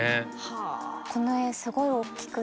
この絵すごい大きくって。